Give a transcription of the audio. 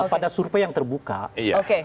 pada survei yang terbuka iya